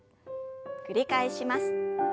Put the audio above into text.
繰り返します。